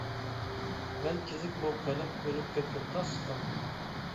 مەن كېزىك بولۇپ قېلىپ ئۆلۈپ كەتكىلى تاس قالدىم.